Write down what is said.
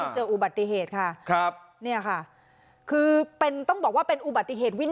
เจออุบัติเหตุค่ะครับเนี่ยค่ะคือเป็นต้องบอกว่าเป็นอุบัติเหตุวิน